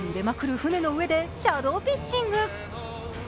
船の上でシャドーピッチング。